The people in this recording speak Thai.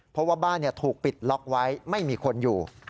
เพราะว่าบ้านถูกปิดล็อกไว้ไม่มีคนอยู่